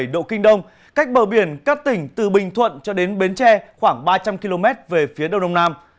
một trăm linh chín bảy độ kinh đông cách bờ biển các tỉnh từ bình thuận cho đến bến tre khoảng ba trăm linh km về phía đông đông nam